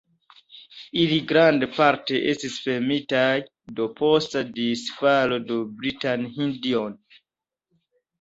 Ili grandparte estis fermitaj depost disfalo de Brita Hindio.